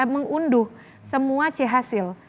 mengunduh semua ch hasil